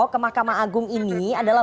ke mahkamah agung ini adalah